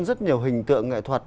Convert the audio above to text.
rất nhiều hình tượng nghệ thuật